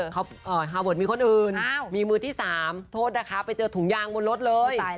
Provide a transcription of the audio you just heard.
เขาฮาเวิร์ดมีคนอื่นมีมือที่๓โทษนะคะไปเจอถุงยางบนรถเลย